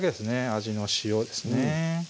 味の塩ですね